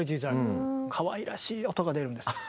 かわいらしい音が出るんですよ。